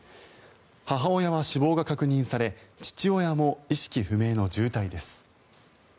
母親は死亡が確認され父親も意識不明の重体です。